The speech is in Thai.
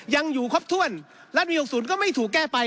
ยังอยู่ครบถ้วนรัฐมี๖๐ก็ไม่ถูกแก้ไป